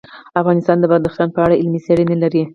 افغانستان د بدخشان په اړه علمي څېړنې لري.